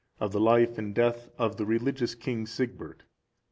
Of the life and death of the religious King Sigbert.